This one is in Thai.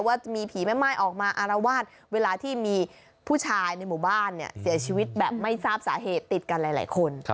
ว่าจะมีผีแม่ม่ายออกมาอารวาสเวลาที่มีผู้ชายในหมู่บ้านเนี่ยเสียชีวิตแบบไม่ทราบสาเหตุติดกันหลายคน